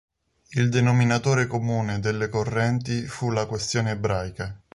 Il denominatore comune delle correnti fu la questione ebraica.